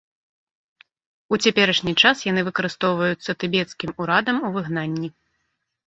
У цяперашні час яны выкарыстоўваюцца тыбецкім урадам у выгнанні.